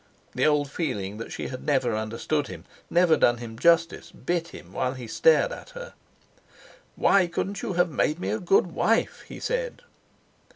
The old feeling that she had never understood him, never done him justice, bit him while he stared at her. "Why couldn't you have made me a good wife?" he said.